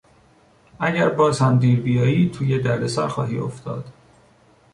اگر باز هم دیر بیایی توی دردسر خواهی افتاد.